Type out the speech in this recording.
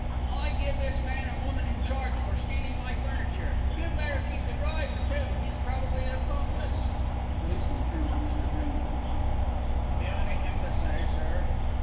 "I give this man and woman in charge for stealing my furniture. You'd better keep the driver, too. He's probably an accomplice." The policeman turned to Mr. Granger. "Have you anything to say, sir?"